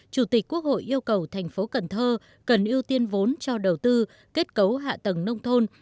chủ tịch quốc hội yêu cầu thành phố cần thơ cần ưu tiên vốn cho đầu tư kết cấu hạ tầng nông thôn